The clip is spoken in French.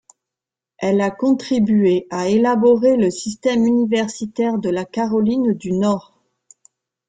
Elle a contribué à élaborer le système universitaire de la Caroline du Nord.